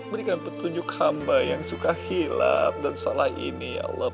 berikan petunjuk hamba yang suka hilat dan salah ini ya allah